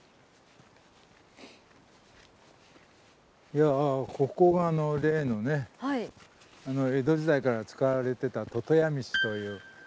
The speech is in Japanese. いやここが例のね江戸時代から使われてた魚屋道という。